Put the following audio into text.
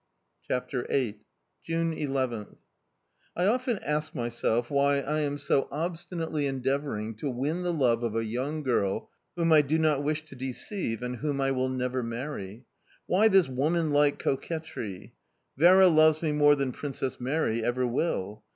CHAPTER VIII. 11th June. I OFTEN ask myself why I am so obstinately endeavouring to win the love of a young girl whom I do not wish to deceive, and whom I will never marry. Why this woman like coquetry? Vera loves me more than Princess Mary ever will.